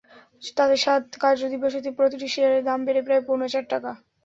তাতে সাত কার্যদিবসে প্রতিটি শেয়ারের দাম বাড়ে প্রায় পৌনে চার টাকা।